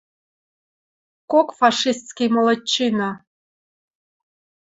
Кок фашистский молодчина